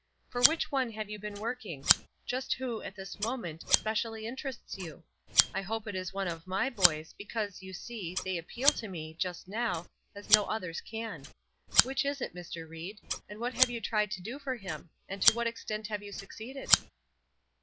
For which one have you been working? Just who, at this moment, specially interests you? I hope it is one of my boys, because, you see, they appeal to me, just now, as no others can. Which is it, Mr. Ried? and what have you tried to do for him? and to what extent have you succeeded?"